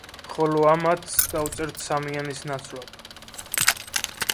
ხოლო ამ ათს დავწერთ სამიანის ნაცვლად.